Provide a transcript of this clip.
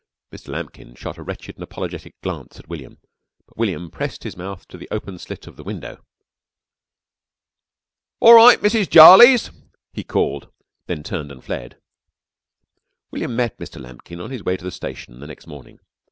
Mr. Lambkin shot a wretched and apologetic glance at William, but William pressed his mouth to the open slit of the window. "All right, Mrs. Jarley's!" he called, then turned and fled. William met Mr. Lambkin on his way to the station the next morning.